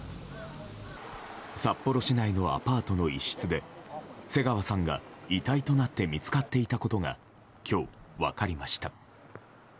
札幌市内のアパートの一室で瀬川さんが遺体となって見つかっていたことが今日、分かりました。